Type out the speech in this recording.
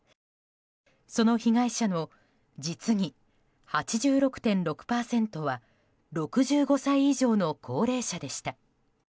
その被害者の、実に８６．６％は６５歳以上の高齢者でした。